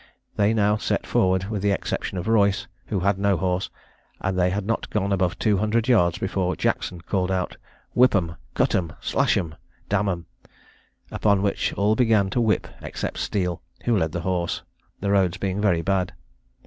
They now set forward, with the exception of Royce, who had no horse; and they had not gone above two hundred yards, before Jackson called out "Whip 'em, cut 'em, slash 'em, d n 'em!" upon which, all began to whip except Steele, who led the horse, the roads being very bad.